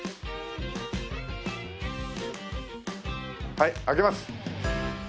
はい開けます。